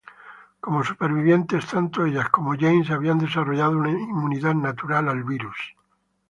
Como supervivientes, tanto ella como James habían desarrollado una inmunidad natural al virus.